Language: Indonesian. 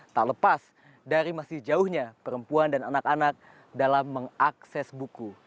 tak lepas dari masih jauhnya perempuan dan anak anak dalam mengakses buku